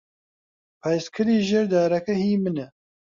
پایسکلی ژێر دارەکە هیی منە.